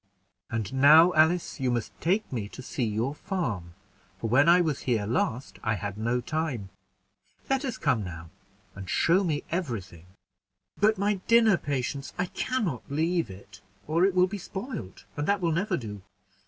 "And now, Alice, you must take me to see your farm, for when I was here last I had no time; let us come now, and show me every thing." "But my dinner, Patience; I can not leave it, or it will be spoiled, and that will never do.